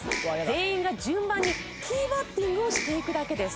全員が順番にティーバッティングをしていくだけです。